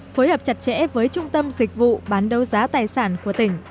phối hợp chặt chẽ với trung tâm dịch vụ bán đấu giá tài sản của tỉnh